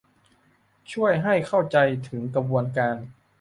ช่วยให้เข้าใจถึงกระบวนการ